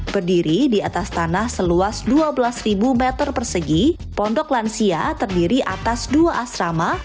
berdiri di atas tanah seluas dua belas meter persegi pondok lansia terdiri atas dua asrama